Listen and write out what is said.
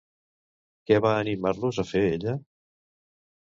Què va animar-los a fer, ella?